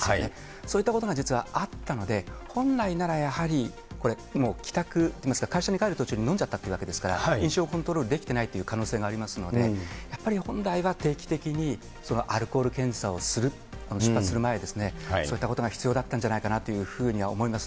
そういったことが実はあったので、本来ならやはりこれ、もう帰宅、会社に帰る途中に飲んじゃったというわけですから、飲酒をコントロールできていないという可能性がありますので、やっぱり本来は定期的にアルコール検査をする、出発する前ですね、そういったことが必要だったんじゃないかなというふうには思います。